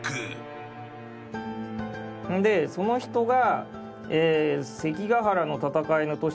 でその人が。